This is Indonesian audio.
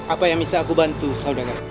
apa yang bisa aku bantu saudara